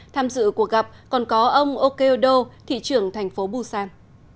tham dự cuộc gặp còn có ông oh kyo do thị trưởng thành phố busan